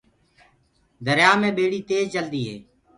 دريآ مينٚ ٻيڙي تيج چلدو هي۔